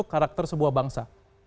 untuk karakter sebuah bangsa